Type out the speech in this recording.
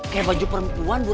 kayak baju perempuan